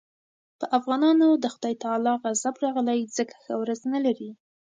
په افغانانو د خدای تعالی غضب راغلی ځکه ښه ورځ نه لري.